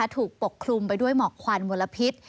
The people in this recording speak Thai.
ปกคลุมไปด้วยหมอกควันมลพิษ